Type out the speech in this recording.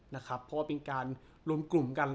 เพราะว่าเป็นการรวมกลุ่มกัน